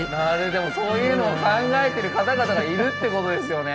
でもそういうのを考えてる方々がいるってことですよね。